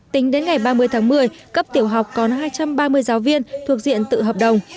tính đến ngày ba mươi tháng một mươi cấp tiểu học còn hai trăm ba mươi giáo viên thuộc diện tự hợp đồng